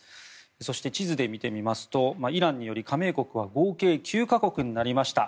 そして、地図で見てみますとイランにより加盟国は合計９か国になりました。